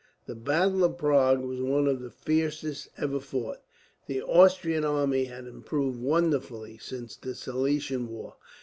The battle of Prague was one of the fiercest ever fought. The Austrian army had improved wonderfully, since the Silesian war.